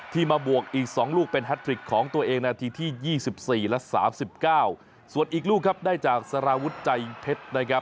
ที่มาบวกอีก๒ลูกเป็นฮัตตริกของตัวเองที่ที่๒๔และ๓๙